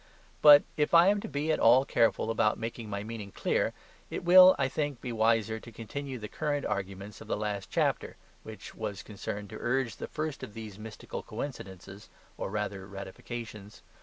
But if I am to be at all careful about making my meaning clear, it will, I think, be wiser to continue the current arguments of the last chapter, which was concerned to urge the first of these mystical coincidences, or rather ratifications.